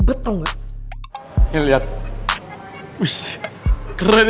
sehingga ke expressing sekarang